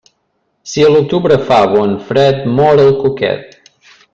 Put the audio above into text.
Si a l'octubre fa bon fred, mor el cuquet.